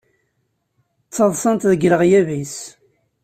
Ttaḍsan-t deg leɣyab-is.